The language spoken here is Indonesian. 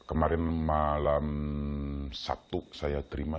dan kemarin malam sabtu saya terima